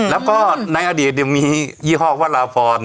แล้วก็ในอดีตยังมียี่ฮอกว่าราภร